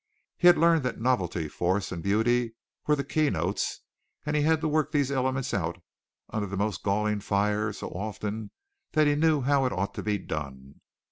He had learned that novelty, force and beauty were the keynotes and he had to work these elements out under the most galling fire so often that he knew how it ought to be done.